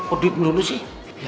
oh duit melulu sih